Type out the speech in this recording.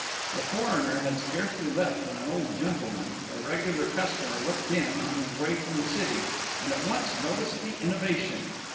The foreigner had scarcely left when an old gentleman, a regular customer, looked in, on his way from the City, and at once noticed the innovation.